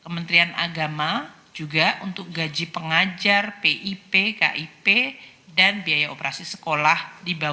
kementerian agama juga untuk gaji pengajar pip kip dan tpp